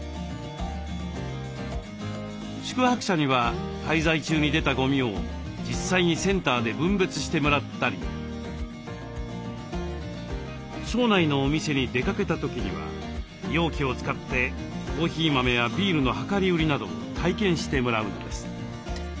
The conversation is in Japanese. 宿泊者には滞在中に出たゴミを実際にセンターで分別してもらったり町内のお店に出かけた時には容器を使ってコーヒー豆やビールの量り売りなどを体験してもらうのです。